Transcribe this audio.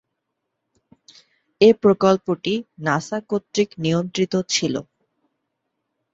এ প্রকল্পটি নাসা কর্তৃক নিয়ন্ত্রিত ছিল।